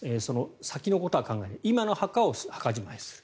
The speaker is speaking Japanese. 先のことは考えない今の墓を墓じまいする。